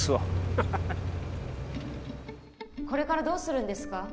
ハハハッこれからどうするんですか？